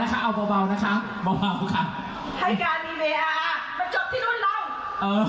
แฮชแท็กของวันนี้คือ